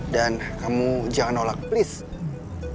dan kamu jangan nolak please